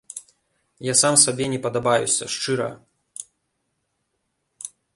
Я сам сабе не падабаюся, шчыра.